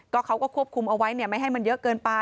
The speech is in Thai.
เขาก็ควบคุมเอาไว้ไม่ให้มันเยอะเกินไป